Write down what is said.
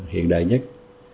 hiện đại nhất